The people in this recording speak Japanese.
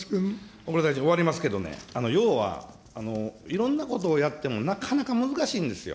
小倉大臣、終わりますけど、要は、いろんなことをやってもなかなか難しいんですよ。